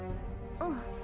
うん。